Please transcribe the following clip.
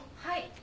はい。